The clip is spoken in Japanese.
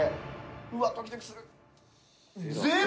うわっドキドキする。